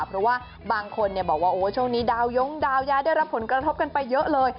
เพราะว่าบางคนบอกว่าโอ้ช่วงนี้ดาวยงดาวย้ายได้รับผลกระทบกันไปเยอะเลย